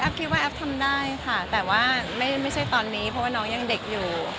คิดว่าแอฟทำได้ค่ะแต่ว่าไม่ใช่ตอนนี้เพราะว่าน้องยังเด็กอยู่